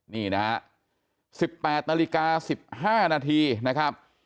นี่นะฮะ๑๘นาฬิกา๑๕นาทีนะครับ